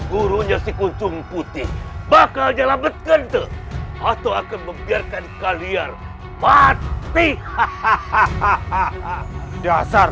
gurunya si kuncung putih bakal nyelam betul atau akan membiarkan kalian mati hahaha dasar